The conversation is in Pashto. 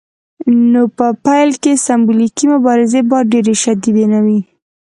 نو په پیل کې سمبولیکې مبارزې باید ډیرې شدیدې نه وي.